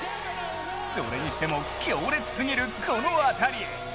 それにしても強烈すぎるこのあたり。